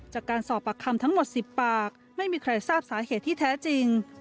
จากการสอบปากคำทั้งหมด๑๐ปากไม่มีใครทราบสาเหตุที่แท้จริง